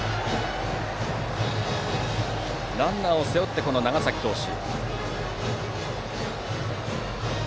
ランナーを背負った長崎投手。